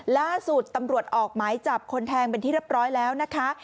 ล่าสุดตำรวจออกหมายจับคนแทงเป็นที่เรียบร้อยแล้วนะคะ